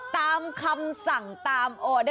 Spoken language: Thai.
ตามคำสั่งตามออเดอร์